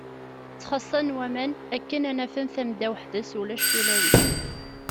Ttxaṣṣan waman, akken ad naf-n tamda weḥd-s, ulac tulawin.